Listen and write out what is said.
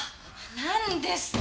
なんですか？